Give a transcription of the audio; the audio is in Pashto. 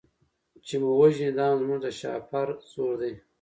چي مو وژني دا هم زموږ د شهپر زور دی